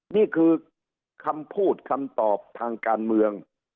นี่คือคำพูดคำตอบทางการเมือง